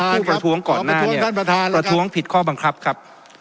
ผู้ประท้วงก่อนหน้าเนี่ยประท้วงท่านประทานแล้วกันประท้วงผิดข้อบังคับครับ